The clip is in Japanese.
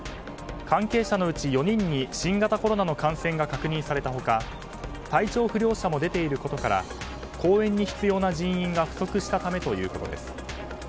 関係者のうち４人の新型コロナの感染が確認された他体調不良者も出ていることから公演に必要な人員が不足したためということです。